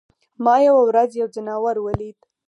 ما یوه ورځ یو ځناور ولید.